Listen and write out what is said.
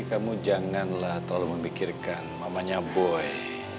kamu janganlah terlalu memikirkan mamanya boy